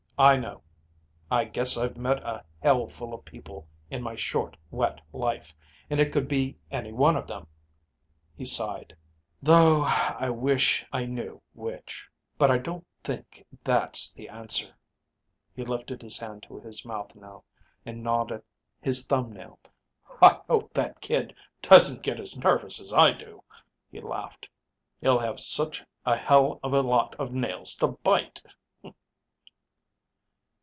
"I know. I guess I've met a hell full of people in my short, wet life, and it could be any one of them." He sighed. "Though I wish I knew which. But I don't think that's the answer." He lifted his hand to his mouth now and gnawed at his thumb nail. "I hope that kid doesn't get as nervous as I do," he laughed. "He'll have such a hell of a lot of nails to bite."